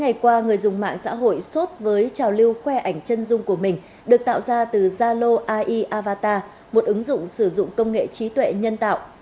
ngày qua người dùng mạng xã hội sốt với trào lưu khoe ảnh chân dung của mình được tạo ra từ zalo ai avatar một ứng dụng sử dụng công nghệ trí tuệ nhân tạo